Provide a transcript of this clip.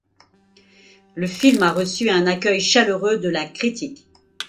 Le film a reçu un accueil chaleureux de la critique.